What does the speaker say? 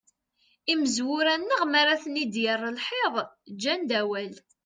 Imezwura-nneɣ mara ten-id-yerr lḥiḍ, ǧǧan-d awal.